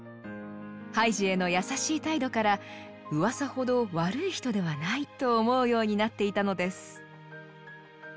ハイジへの優しい態度からうわさほど悪い人ではないと思うようになっていたのです。